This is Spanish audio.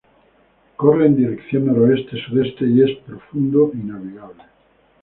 Corre en dirección noroeste-sudeste y es profundo y navegable.